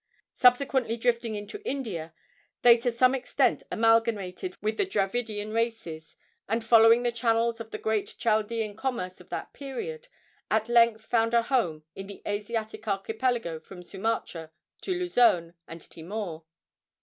Subsequently drifting into India, they to some extent amalgamated with the Dravidian races, and, following the channels of the great Chaldean commerce of that period, at length found a home in the Asiatic archipelago from Sumatra to Luzon and Timor.